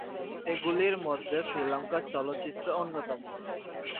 এগুলির মধ্যে শ্রীলঙ্কার চলচ্চিত্রও অন্যতম।